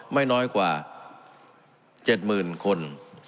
ไม่น้อยกว่า๗หมื่นคน